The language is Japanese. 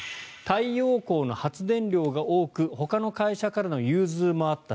太陽光の発電量が多くほかの会社からの融通もあった。